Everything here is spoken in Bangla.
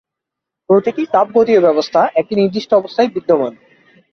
প্রতিটি তাপগতীয় ব্যবস্থা একটি নির্দিষ্ট অবস্থায় বিদ্যমান।